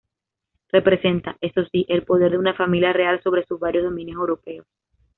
Representa, eso sí, el poder de una familia real sobre sus varios dominios europeos.